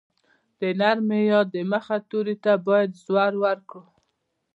د نرمې ی د مخه توري ته باید زور ورکړو.